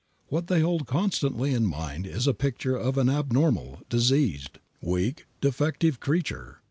What they hold constantly in mind is a picture of an abnormal, diseased, weak, defective creature.